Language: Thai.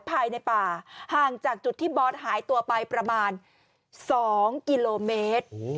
ภายในป่าห่างจากจุดที่บอสหายตัวไปประมาณ๒กิโลเมตร